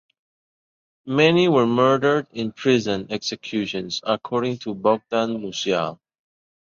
Many were murdered in prison executions, according to Bogdan Musial.